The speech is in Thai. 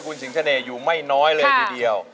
คุณสิงเสน่ห์อยู่ไม่น้อยเลยทีเดียว